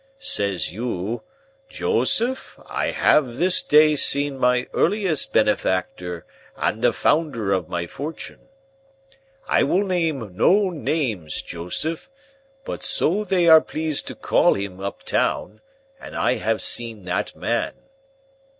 Says you, "Joseph, I have this day seen my earliest benefactor and the founder of my fortun's. I will name no names, Joseph, but so they are pleased to call him up town, and I have seen that man."